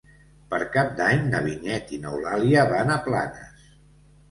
Per Cap d'Any na Vinyet i n'Eulàlia van a Planes.